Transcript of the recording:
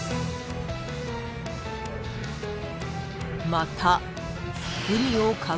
［また］